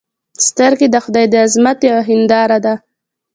سترګې د خدای د عظمت یوه هنداره ده